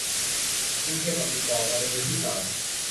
กินเคบับติดต่อกันเป็นมื้อที่สาม